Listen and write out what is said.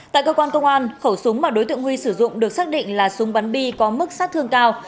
tại cơ quan công an khẩu súng mà đối tượng huy sử dụng được xác định là súng bắn bi có mức sát thương cao